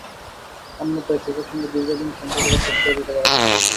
অন্যথায় ফিফার সঙ্গে দীর্ঘ দিনের সম্পর্কটাও শেষ করে দিতে পারে তারা।